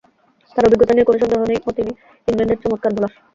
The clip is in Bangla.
তার অভিজ্ঞতা নিয়ে কোন সন্দেহ নেই ও তিনি ইংল্যান্ডের চমৎকার বোলার।